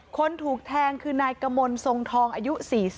คนถูกแทงคือนายกมลทรงทองอายุ๔๐